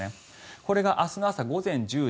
これが明日の朝午前１０時